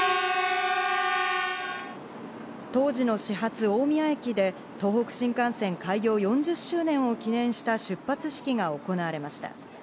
当時の始発、大宮駅で東北新幹線開業４０周年を記念した出発式が行われました。